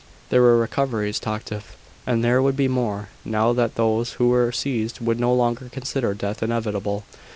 There were recoveries talked of; and there would be more, now that those who were seized would no longer consider death inevitable.